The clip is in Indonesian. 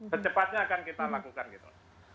secepatnya akan kita lakukan gitu